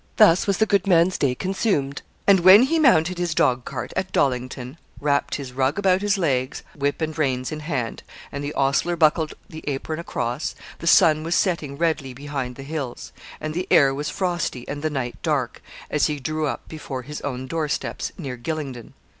Thus was the good man's day consumed; and when he mounted his dog cart, at Dollington, wrapped his rug about his legs, whip and reins in hand, and the ostler buckled the apron across, the sun was setting redly behind the hills; and the air was frosty, and the night dark, as he drew up before his own door steps, near Gylingden.